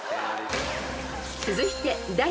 ［続いて］